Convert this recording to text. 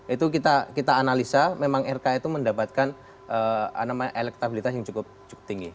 itu kita analisa memang rk itu mendapatkan elektabilitas yang cukup tinggi